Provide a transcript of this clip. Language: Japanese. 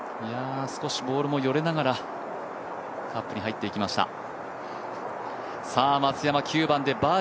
少しボールもよれながらカップに入っていきました。